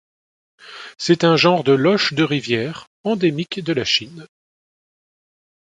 C'est un genre de loches de rivière endémique de la Chine.